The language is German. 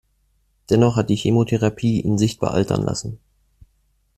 Dennoch hat die Chemotherapie ihn sichtbar altern lassen.